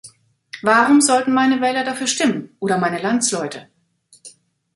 Warum sollten meine Wähler dafür stimmen oder meine Landsleute?